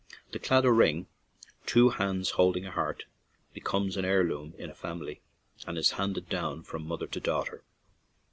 The Claddagh ring — two hands holding a heart — becomes an heirloom in a family, and is handed down from mother to daughter.